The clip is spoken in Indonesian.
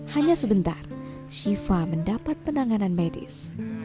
hanya sebentar shiva mendapat penanganan medis